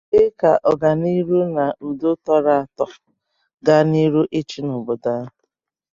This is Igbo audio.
ma kpee ka ọganihu na udo tọrọ àtọ gaa n'ihu ịchị n'obodo ahụ